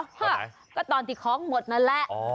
ตอนไหนก็ตอนที่ของหมดนั่นแหละ